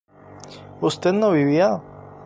¿usted no vivía?